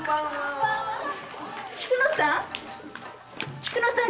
菊乃さん？